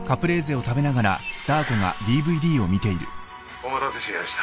お待たせしやした。